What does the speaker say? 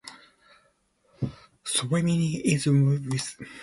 Swarming is when males wait for mates in an aerial swarm in the air.